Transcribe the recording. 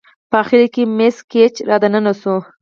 په اخره کې مس ګېج را دننه شوه.